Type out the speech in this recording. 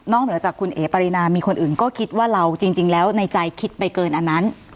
เหนือจากคุณเอ๋ปรินามีคนอื่นก็คิดว่าเราจริงแล้วในใจคิดไปเกินอันนั้น